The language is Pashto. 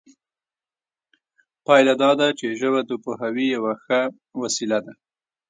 پایله دا ده چې ژبه د پوهاوي یوه ښه وسیله ده